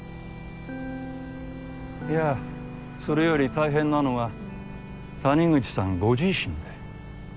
いやそれより大変なのが谷口さんご自身で。